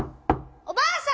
おばあさん